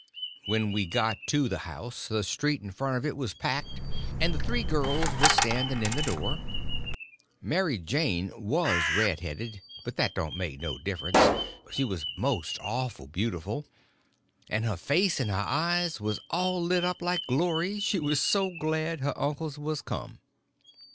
When we got to the house the street in front of it was packed, and the three girls was standing in the door. Mary Jane was red headed, but that don't make no difference, she was most awful beautiful, and her face and her eyes was all lit up like glory, she was so glad her uncles was come.